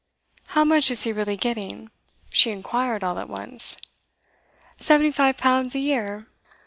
'How much is he really getting?' she inquired all at once. 'Seventy five pounds a year.